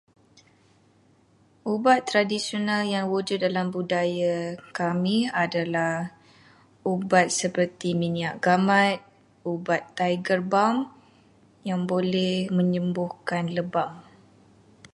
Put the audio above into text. Ubat tradisional yang wujud dalam budaya kami adalah ubat seperti minyak gamat, ubat Tiger Balm yang boleh menyembuhkan lebam.